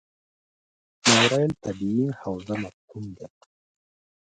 ماورا الطبیعي حوزه مفهوم دی.